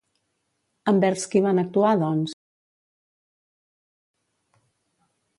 Envers qui van actuar, doncs?